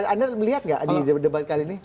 anda melihat nggak di debat kali ini